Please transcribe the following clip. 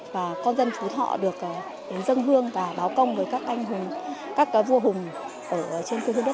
bảo vệ đất nước